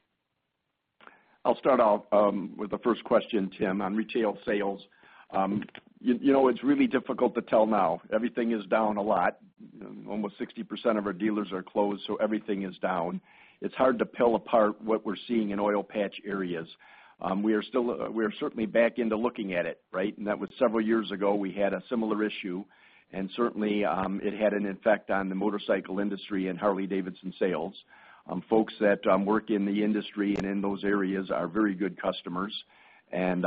I'll start off with the first question, Tim, on retail sales. You know, it's really difficult to tell now. Everything is down a lot. Almost 60% of our dealers are closed, so everything is down. It's hard to pull apart what we're seeing in oil patch areas. We are still, we are certainly back into looking at it, right? And that was several years ago, we had a similar issue. And certainly, it had an effect on the motorcycle industry and Harley-Davidson sales. Folks that work in the industry and in those areas are very good customers. And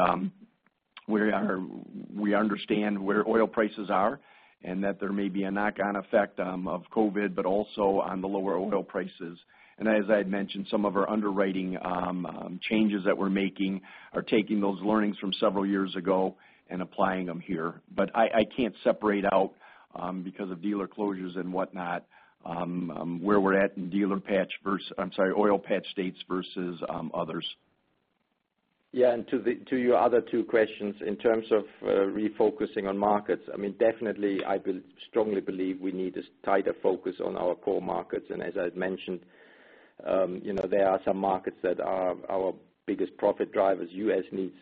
we understand where oil prices are and that there may be a knock-on effect of COVID, but also on the lower oil prices. And as I had mentioned, some of our underwriting changes that we're making are taking those learnings from several years ago and applying them here. But I can't separate out because of dealer closures and whatnot where we're at in dealer patch versus, I'm sorry, oil patch states versus others. Yeah. And to your other two questions, in terms of refocusing on markets, I mean, definitely, I strongly believe we need a tighter focus on our core markets. And as I had mentioned, you know, there are some markets that are our biggest profit drivers. U.S. needs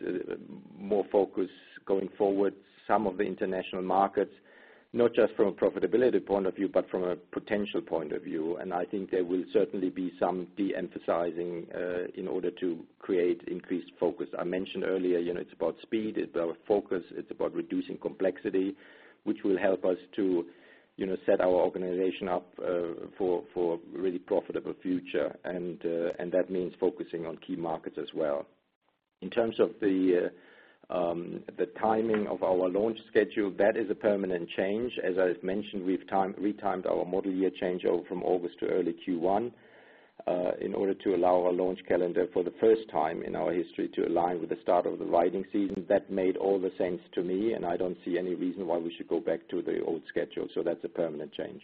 more focus going forward. Some of the international markets, not just from a profitability point of view, but from a potential point of view. And I think there will certainly be some de-emphasizing in order to create increased focus. I mentioned earlier, you know, it's about speed, it's about focus, it's about reducing complexity, which will help us to, you know, set our organization up for a really profitable future. And that means focusing on key markets as well. In terms of the timing of our launch schedule, that is a permanent change. As I've mentioned, we've retimed our model year change over from August to early Q1 in order to allow our launch calendar for the first time in our history to align with the start of the riding season. That made all the sense to me, and I don't see any reason why we should go back to the old schedule. So that's a permanent change.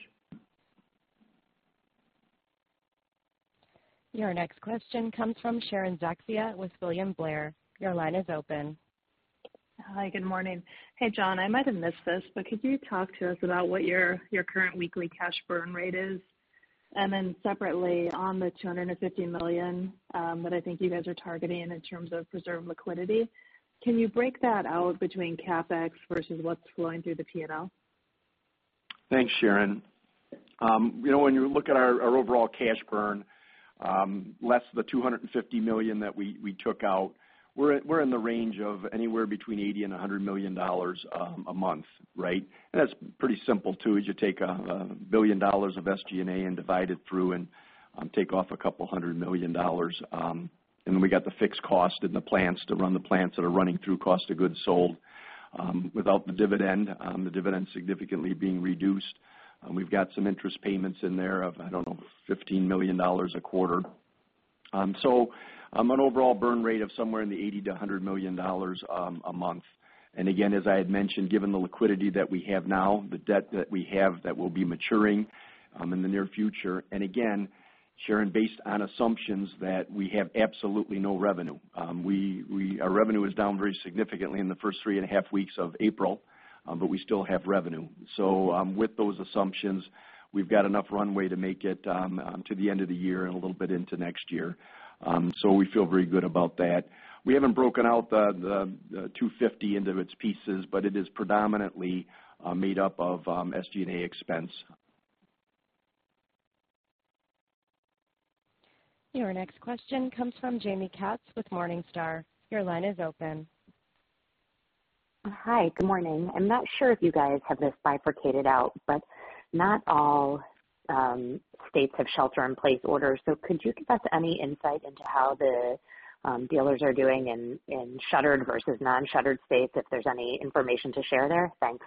Your next question comes from Sharon Zackfia with William Blair. Your line is open. Hi, good morning. Hey, John, I might have missed this, but could you talk to us about what your current weekly cash burn rate is? And then separately, on the $250 million that I think you guys are targeting in terms of preserved liquidity, can you break that out between CapEx versus what's flowing through the P&L? Thanks, Sharon. You know, when you look at our overall cash burn, less the $250 million that we took out, we're in the range of anywhere between $80 million and $100 million dollars a month, right? And that's pretty simple too. You take a billion dollars of SG&A and divide it through and take off a couple hundred million dollars. And then we got the fixed cost and the plants to run the plants that are running through cost of goods sold without the dividend, the dividend significantly being reduced. We've got some interest payments in there of, I don't know, $15 million a quarter. So an overall burn rate of somewhere in the $80 million-$100 million dollars a month. And again, as I had mentioned, given the liquidity that we have now, the debt that we have that will be maturing in the near future. And again, Sharon, based on assumptions that we have absolutely no revenue. Our revenue is down very significantly in the first three and a half weeks of April, but we still have revenue. So with those assumptions, we've got enough runway to make it to the end of the year and a little bit into next year. So we feel very good about that. We haven't broken out the $250 million into its pieces, but it is predominantly made up of SG&A expense. Your next question comes from Jamie Katz with Morningstar. Your line is open. Hi, good morning. I'm not sure if you guys have this bifurcated out, but not all states have shelter-in-place orders. So could you give us any insight into how the dealers are doing in shuttered versus non-shuttered states if there's any information to share there? Thanks.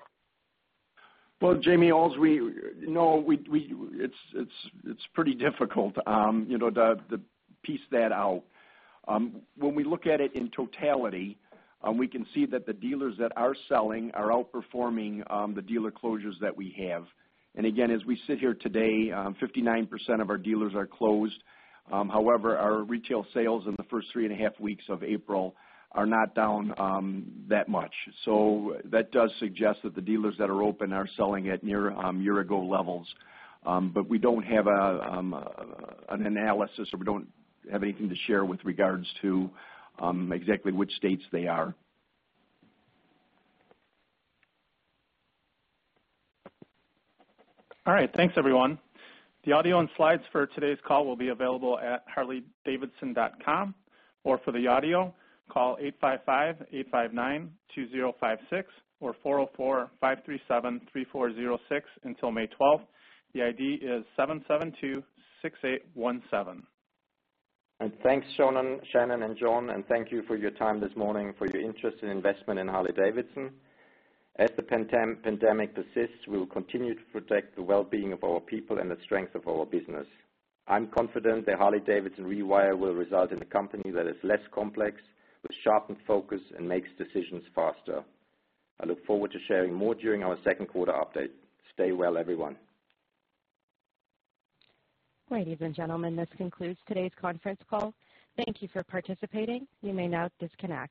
Well, Jamie, as we know, it's pretty difficult, you know, to piece that out. When we look at it in totality, we can see that the dealers that are selling are outperforming the dealer closures that we have. And again, as we sit here today, 59% of our dealers are closed. However, our retail sales in the first three and a half weeks of April are not down that much. So that does suggest that the dealers that are open are selling at near a year-ago levels. But we don't have an analysis or we don't have anything to share with regards to exactly which states they are. All right. Thanks, everyone. The audio and slides for today's call will be available at harleydavidson.com. Or for the audio, call 855-859-2056 or 404-537-3406 until May 12th. The ID is 772-6817. And thanks, Shannon and John, and thank you for your time this morning, for your interest and investment in Harley-Davidson. As the pandemic persists, we will continue to protect the well-being of our people and the strength of our business. I'm confident that Harley-Davidson Rewire will result in a company that is less complex, with sharpened focus, and makes decisions faster. I look forward to sharing more during our second quarter update. Stay well, everyone. Ladies and gentlemen, this concludes today's conference call. Thank you for participating. You may now disconnect.